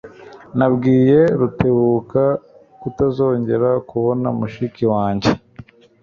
Nabwiye Rutebuka kutazongera kubona mushiki wanjye.